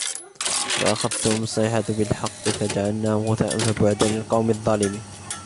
فأخذتهم الصيحة بالحق فجعلناهم غثاء فبعدا للقوم الظالمين